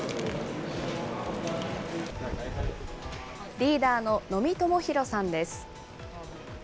リーダーの野見知弘さんです。